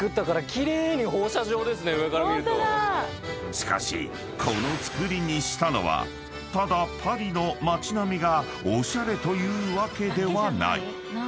［しかしこのつくりにしたのはただパリの街並みがおしゃれというわけではない］